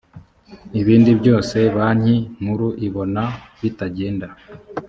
ibindi byose banki nkuru ibona bitagenda